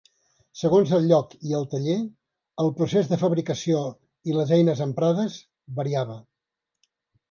Segons el lloc i el taller, el procés de fabricació i les eines emprades variava.